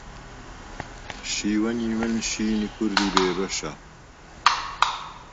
شیوەنی من شینی کوردی بێ بەشە